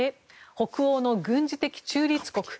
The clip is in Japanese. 北欧の軍事的中立国